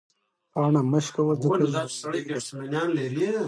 پاڼه مه شکوه ځکه ژوندۍ ده.